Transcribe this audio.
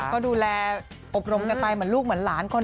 ก็ดูแลอบรมกันไปเหมือนลูกเหมือนหลานคน